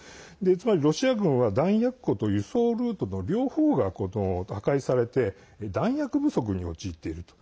つまり、ロシア軍は弾薬庫と輸送ルートの両方が破壊されて弾薬不足に陥っていると。